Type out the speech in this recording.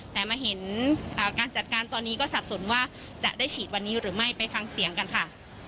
แต่มาเห็นการจัดการตอนนี้ก็สับสนว่าจะได้ฉีดวันนี้หรือไม่ไปฟังเสียงกันค่ะ